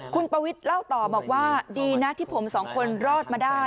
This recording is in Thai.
คุณปวิทย์เล่าต่อบอกว่าดีนะที่ผมสองคนรอดมาได้